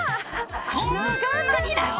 こんなにだよ。